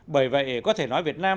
bởi vậy có thể nói việt nam